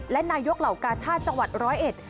และนายกเหล่ากาชาติจังหวัด๑๐๑